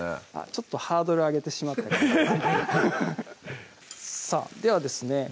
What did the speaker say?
ちょっとハードル上げてしまったさぁではですね